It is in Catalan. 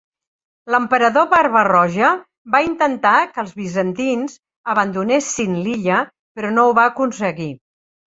L'emperador Frederic Barba-roja va intentar que els bizantins abandonessin l'illa però no ho va aconseguir.